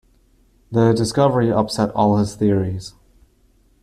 The discovery upset all his theories.